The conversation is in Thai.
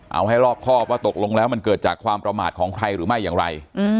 เอาให้รอบครอบว่าตกลงแล้วมันเกิดจากความประมาทของใครหรือไม่อย่างไร